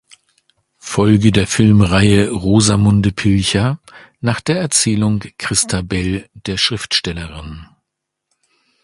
Folge der Filmreihe "Rosamunde Pilcher" nach der Erzählung „Christabel“ der Schriftstellerin.